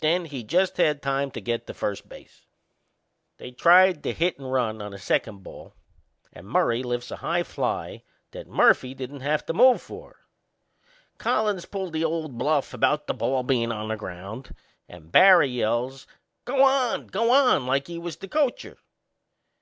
Then he just had time to get to first base. They tried the hit and run on the second ball and Murray lifts a high fly that Murphy didn't have to move for. Collins pulled the old bluff about the ball bein' on the ground and Barry yells, "Go on! Go on!" like he was the coacher.